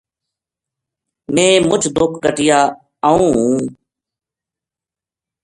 میں مُچ دُکھ کٹیا آؤں ہوں